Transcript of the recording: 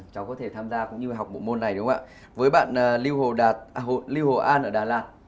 cháu có thể tham gia cũng như học bộ môn này đúng không ạ với bạn lưu hồ đạt lưu hồ an ở đà lạt